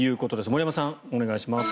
森山さん、お願いします。